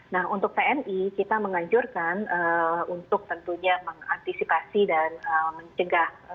nah untuk tni kita menganjurkan untuk tentunya mengantisipasi dan mencegah